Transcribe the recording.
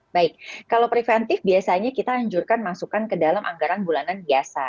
baik kalau preventif biasanya kita anjurkan masukan ke dalam anggaran bulanan biasa